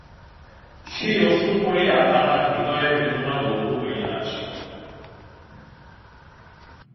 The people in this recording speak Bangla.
সেই অশ্রু পড়িয়া তাঁহার হৃদয়ের বেদনা লঘু হইয়া আসিল।